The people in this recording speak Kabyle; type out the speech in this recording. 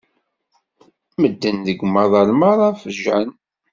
Medden deg umaḍal merra fejɛen.